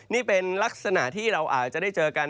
นี่เป็นลักษณะที่เราอาจจะได้เจอกัน